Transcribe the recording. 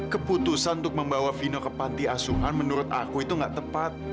keputusan untuk membawa vino ke panti asuhan menurut aku itu gak tepat